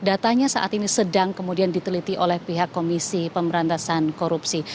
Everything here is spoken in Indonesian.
datanya saat ini sedang kemudian diteliti oleh pihak komisi pemberantasan korupsi